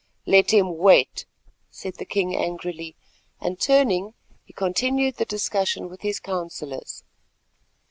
"Let him wait," said the king angrily; and, turning, he continued the discussion with his counsellors.